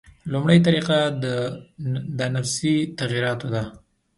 لومړۍ طریقه د انفسي تغییراتو ده.